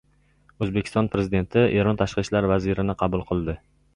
O‘zbekiston Prezidenti Eron tashqi ishlar vazirini qabul qildi